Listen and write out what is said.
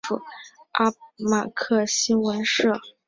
阿马克新闻社表示伊斯兰国对此事负责。